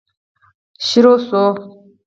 پیل شوي